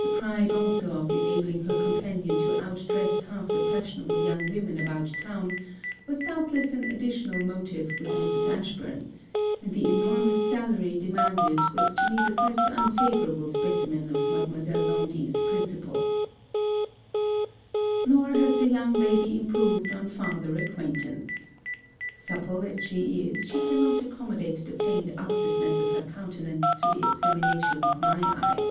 The pride also of enabling her companion to outdress half the fashionable young women about town was doubtless an additional motive with Mrs. Ashburn; and the enormous salary demanded was to me the first unfavourable specimen of Mademoiselle Laundy's principles. Nor has the young lady improved on farther acquaintance. Supple as she is, she cannot accommodate the feigned artlessness of her countenance to the examination of my eye.